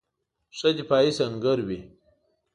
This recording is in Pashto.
ښه دفاعي سنګر وي.